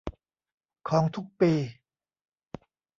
ของทุกปี